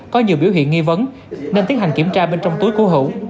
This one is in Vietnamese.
có nhiều biểu hiện nghi vấn nên tiến hành kiểm tra bên trong túi của hữu